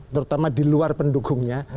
terutama di luar pendukungnya